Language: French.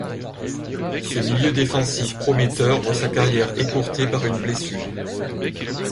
Ce milieu défensif prometteur voit sa carrière écourtée par une blessure.